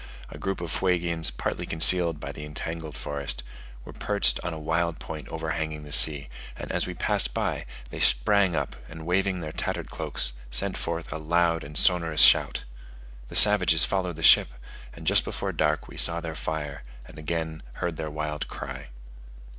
A group of Fuegians partly concealed by the entangled forest, were perched on a wild point overhanging the sea; and as we passed by, they sprang up and waving their tattered cloaks sent forth a loud and sonorous shout. The savages followed the ship, and just before dark we saw their fire, and again heard their wild cry.